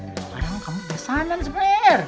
sekarang kamu kesanan sper